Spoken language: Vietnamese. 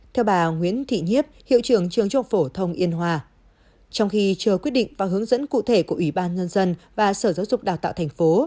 theo bà nguyễn thị nhiếp hiệu trưởng trường trung học phổ thông yên hòa trong khi chờ quyết định và hướng dẫn cụ thể của ủy ban nhân dân và sở giáo dục đào tạo thành phố